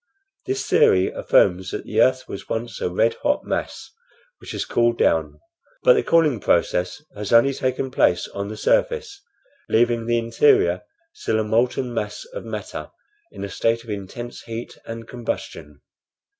This theory affirms that the earth was once a red hot mass, which has cooled down; but the cooling process has only taken place on the surface, leaving the interior still a molten mass of matter in a state of intense heat and combustion.